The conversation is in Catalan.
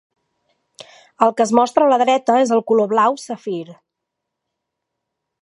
El que es mostra a la dreta és el color blau safir.